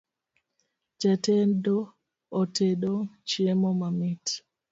Jatedo otedo chiemo mamit